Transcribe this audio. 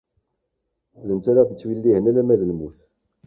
D netta ara aɣ-ittwellihen alamma d lmut.